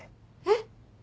えっ？